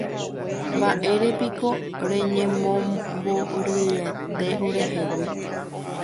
Mba'érepiko reñemomombyryete orehegui.